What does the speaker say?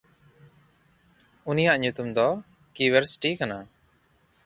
ᱩᱱᱤᱭᱟᱜ ᱧᱩᱛᱩᱢ ᱫᱚ ᱠᱤᱣᱮᱨᱥᱴᱤ ᱠᱟᱱᱟ᱾